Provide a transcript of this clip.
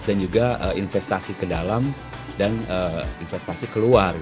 dan juga investasi ke dalam dan investasi keluar